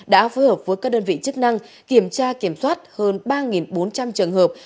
đã phối hợp với các đơn vị chức năng kiểm tra kiểm soát hơn ba bốn trăm linh trường hợp